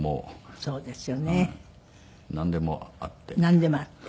なんでもあって。